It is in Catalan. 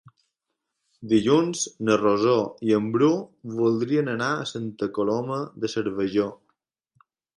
Dilluns na Rosó i en Bru voldrien anar a Santa Coloma de Cervelló.